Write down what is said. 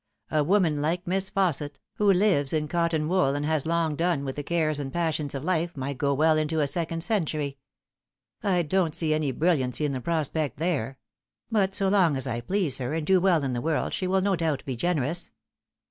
A woman like Miss Fausset, who lives in cotton wool, and who has long done with the cares and passions of life, might go well into a second century. I don't see any brilliancy in the prospect there; but so long as I please her and do well in the world she will no doubt be generous."